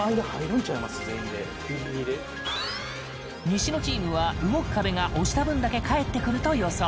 西野チームは、動く壁が押した分だけ返ってくると予想。